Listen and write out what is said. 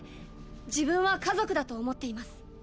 自分は家族だと思っています